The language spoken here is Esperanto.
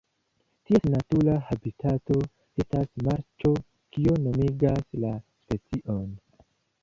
Ties natura habitato estas marĉo kio nomigas la specion.